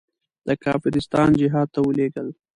د کافرستان جهاد ته ولېږل.